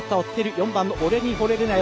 ４番オレニホレルナヨ。